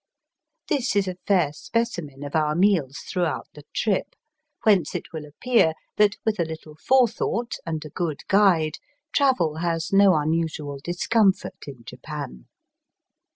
This is a fair specimen of our meals throughout the trip, whence it will appear that with a little forethought and a good guide travel has no unusual discomfort in Japan.